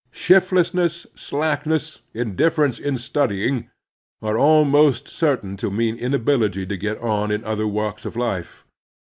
Shiftlessness, slackness, indifference in studying, are almost certain to mean inability to get on in other walks of life.